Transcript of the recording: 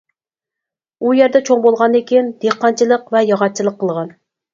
ئۇ يەردە چوڭ بولغاندىن كىيىن دېھقانچىلىق ۋە ياغاچچىلىق قىلغان.